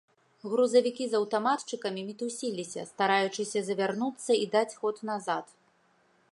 Грузавікі з аўтаматчыкамі мітусіліся, стараючыся завярнуцца і даць ход назад.